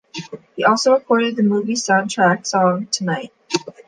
He also recorded the movie's soundtrack song - Tonight.